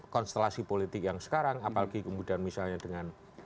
konstelasi politik yang sekarang apalagi kemudian misalnya dengan